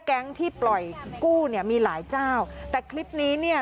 แก๊งที่ปล่อยกู้เนี่ยมีหลายเจ้าแต่คลิปนี้เนี่ย